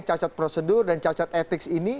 cacat prosedur dan cacat etik ini